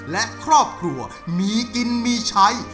และครอบครัวมีกินมีใช้